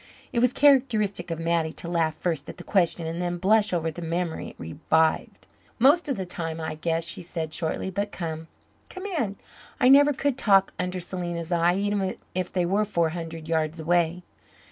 It was characteristic of Mattie to laugh first at the question, and then blush over the memory it revived. "Most of the time, I guess," she said shortly. "But come come in. I never could talk under Selena's eyes, even if they were four hundred yards away."